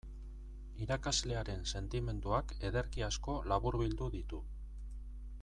Irakaslearen sentimenduak ederki asko laburbildu ditu.